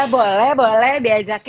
boleh boleh diajakin